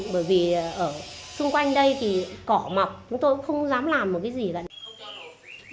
bởi vì ở xung quanh đây thì cỏ mọc chúng tôi cũng không dám làm một cái gì là